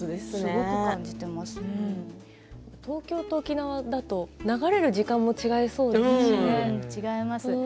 東京と沖縄だと流れる時間も違いそうですね。